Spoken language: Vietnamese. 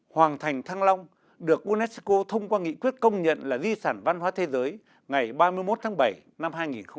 hoàng thành thăng long được unesco thông qua nghị quyết công nhận là di sản văn hóa thế giới ngày ba mươi một tháng bảy năm hai nghìn một mươi